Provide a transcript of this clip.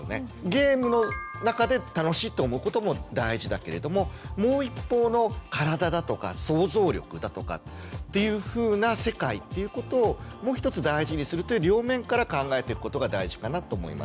ゲームの中で楽しいと思うことも大事だけれどももう一方の体だとか想像力だとかっていうふうな世界っていうことをもう一つ大事にするという両面から考えていくことが大事かなと思います。